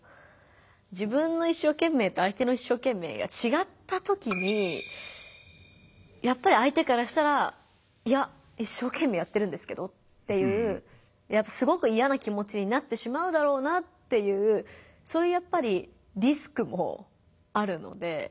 自分の一生懸命と相手の一生懸命がちがったときにやっぱり相手からしたら「いや一生懸命やってるんですけど」っていうすごく嫌な気持ちになってしまうだろうなっていうそういうやっぱりリスクもあるので。